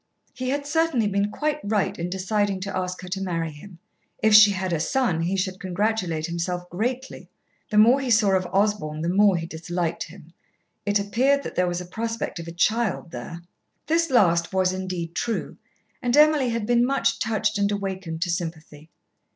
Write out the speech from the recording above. He had certainly been quite right in deciding to ask her to marry him. If she had a son, he should congratulate himself greatly. The more he saw of Osborn the more he disliked him. It appeared that there was a prospect of a child there. This last was indeed true, and Emily had been much touched and awakened to sympathy.